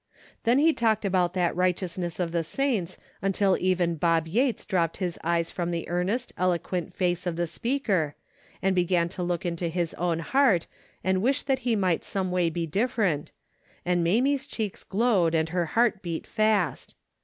Then he talked about that righteousness of the saints until even Bob Yates dropped his eyes from the earnest, eloquent face of the speaker, and be gan to look into his own heart and wish that he might some way be different, and Ma mie's cheeks glowed and her heart beat fast.